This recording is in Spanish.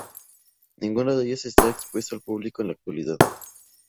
Ninguna de ellas está expuesta al público en la actualidad.